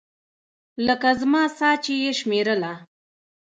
لکه زما ساه چې يې شمېرله.